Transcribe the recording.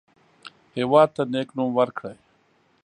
هېواد ته نیک نوم ورکړئ